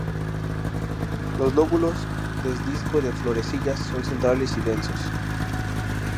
Los lóbulos des disco de florecillas son centrales y densos.